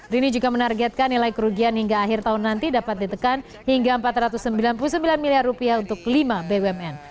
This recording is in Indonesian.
rini juga menargetkan nilai kerugian hingga akhir tahun nanti dapat ditekan hingga rp empat ratus sembilan puluh sembilan miliar rupiah untuk lima bumn